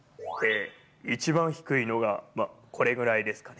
一番低いのがこれぐらいですかね。